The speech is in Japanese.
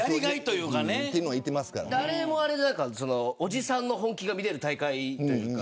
あれもあれで、おじさんの本気が見れる大会というか。